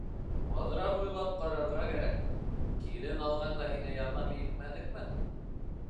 Аҙыраҡ уйлап ҡарарға кәрәк, килен алғанда һиңә ярҙам итмәнекме?